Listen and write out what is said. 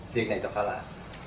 việc này tôi phải làm